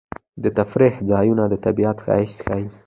د تفریح ځایونه د طبیعت ښایست ښيي.